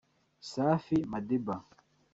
Safi Madiba